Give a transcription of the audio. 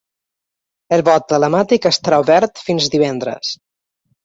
El vot telemàtic estarà obert fins divendres.